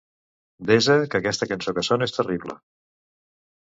Desa que aquesta cançó que sona és terrible.